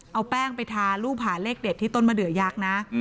เอาแป้งไปทารูปหาเลขเด็ดที่ต้นมะเดือยักษ์นะ